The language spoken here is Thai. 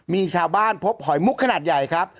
มีชาวบ้านพบหอยมุกขนาดใหญ่ครับ